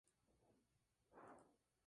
Carvalho "et al.